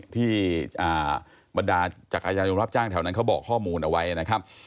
ที่บรรดาจักรยานยนต์รับจ้างแถวนั้นเขาบอกข้อมูลเอาไว้นะครับ